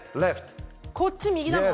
こっち右だもん